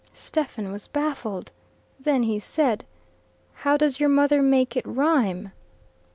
Stephen was baffled. Then he said, "How does your mother make it rhyme?"